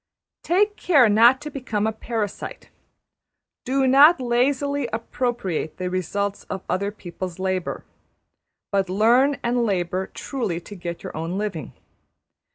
} Take care not to become a parasite; do not lazily appropriate the results of other people's labour, but learn and labour truly to get your own living.